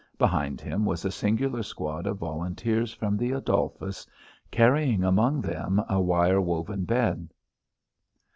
Behind him was a singular squad of volunteers from the Adolphus, carrying among them a wire woven bed.